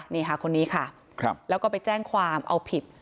นี่ค่ะคนนี้ค่ะแล้วก็ไปแจ้งความเอาผิด